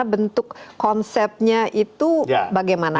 bentuk konsepnya itu bagaimana